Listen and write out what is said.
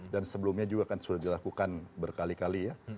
dan sebelumnya juga kan sudah dilakukan berkali kali ya